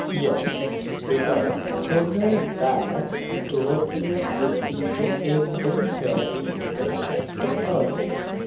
"Yes; because he knows that to refuse would be to endanger his relation to her.